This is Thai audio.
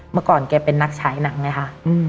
เมื่อก่อนแกเป็นนักฉายหนังไงค่ะ